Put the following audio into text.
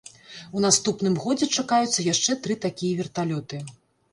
У наступным годзе чакаюцца яшчэ тры такія верталёты.